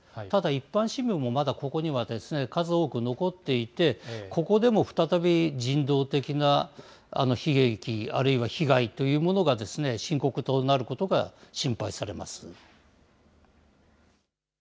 ただ、一般市民もまだここには数多く残っていて、ここでも再び人道的な悲劇、あるいは被害というものが、深刻となることが心配されます。